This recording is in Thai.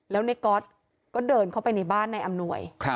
แล้วในก๊อตก็เดินเข้าไปในบ้านนายอำนวย